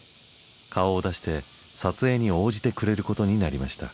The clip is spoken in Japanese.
顔を出して撮影に応じてくれることになりました。